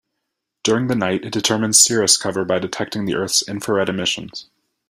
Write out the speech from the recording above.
During the night, it determines cirrus cover by detecting the Earth's infrared emissions.